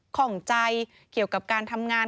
ข้องใจเกี่ยวกับการทำงาน